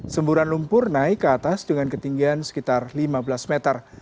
semburan lumpur naik ke atas dengan ketinggian sekitar lima belas meter